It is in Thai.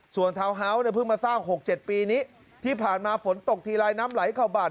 ส่วนเท้าเฮ้าส์เนี้ยเพิ่งมาสร้างหกเจ็ดปีนี้ที่ผ่านมาฝนตกทีลายน้ำไหลเข้าบ้าน